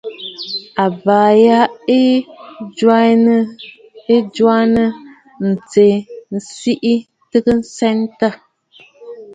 Àbàʼà ya a jwaanə ntəə tsiʼì tɨ̀ stsetə̀.